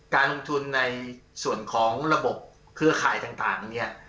การลงทุนในส่วนของระบบเครือข่ายต่างเนี่ย